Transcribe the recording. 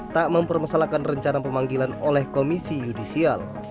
tak mempermasalahkan rencana pemanggilan oleh komisi yudisial